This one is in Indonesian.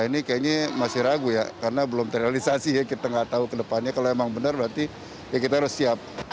ini kayaknya masih ragu ya karena belum terrealisasi ya kita nggak tahu ke depannya kalau emang benar berarti ya kita harus siap